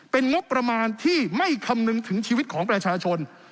เป็นงบประมาณที่ไม่คำนึงถึงชีวิตของประชาชน